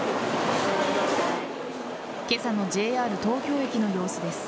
今朝のＪＲ東京駅の様子です。